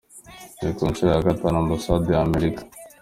Ni ku nshuro ya gatanu, Ambasade ya Amerika.